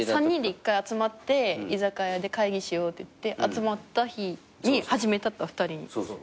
３人で１回集まって居酒屋で会議しようっていって集まった日に初めて会った２人に。